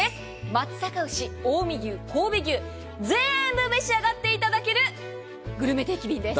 松阪牛、近江牛、神戸牛全部召し上がっていただけるグルメ定期便です。